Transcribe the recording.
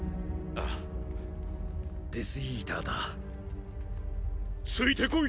ああデス・イーターだついてこい！